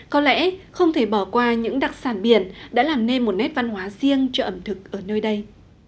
có lẽ không thể bỏ qua những đặc sản biển đã làm nên một nét văn hóa riêng cho ẩm thực ở nơi đây